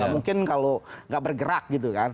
mungkin kalau nggak bergerak gitu kan